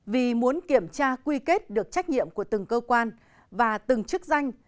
vì muốn kiểm tra quy kết được trách nhiệm của từng cơ quan và từng chức danh